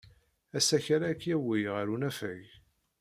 Asakal-a ad k-yawey ɣer unafag.